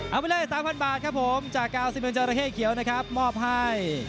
เอาไปเลย๓๐๐บาทครับผมจากกาวซิเมนจราเข้เขียวนะครับมอบให้